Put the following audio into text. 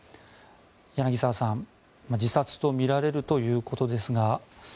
柳澤さん、自殺とみられるということですが。